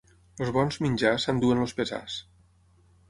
Els bons menjars s'enduen els pesars.